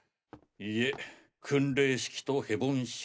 いえ訓令式とヘボン式